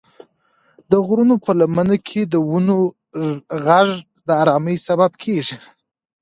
د غرونو په لمن کې د ونو غږ د ارامۍ سبب کېږي.